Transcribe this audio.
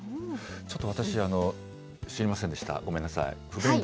ちょっと私、知りませんでした、ごめんなさい。